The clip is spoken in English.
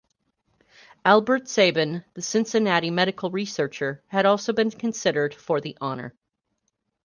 Albert Sabin, the Cincinnati medical researcher, had also been considered for the honor.